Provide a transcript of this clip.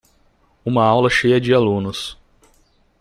Uma aula cheia de alunos.